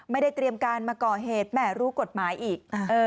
เตรียมการมาก่อเหตุแหม่รู้กฎหมายอีก